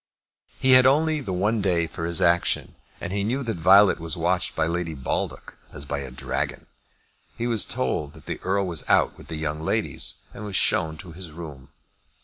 He had only the one day for his action, and he knew that Violet was watched by Lady Baldock as by a dragon. He was told that the Earl was out with the young ladies, and was shown to his room.